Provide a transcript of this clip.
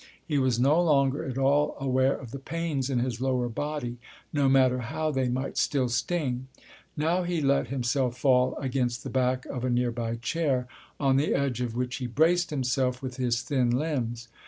He was no longer at all aware of the pains in his lower body, no matter how they might still sting. Now he let himself fall against the back of a nearby chair, on the edge of which he braced himself with his thin limbs.